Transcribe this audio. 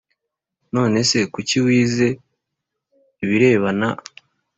None se kuki wize ibirebana